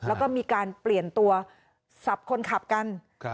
แล้วก็มีการเปลี่ยนตัวสับคนขับกัน